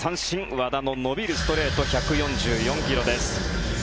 和田の伸びるストレート１４４ｋｍです。